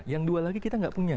yang dua lagi kita nggak punya